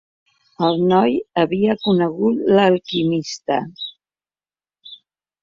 El noi havia conegut l'alquimista.